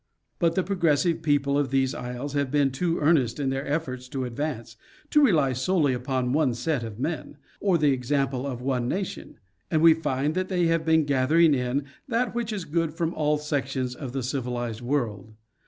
But the progressive people of these isles have been too earnest in their efforts to advance, to rely solely upon one set of men, or the example of one nation, and we find they have been gathering in that which is good from all sections of the civilized world.